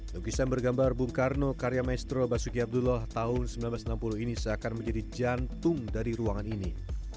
lukisan bergambar bung karno karya maestro basuki abdullah tahun seribu sembilan ratus enam puluh ini seakan menjadi jantung dari ruangan ini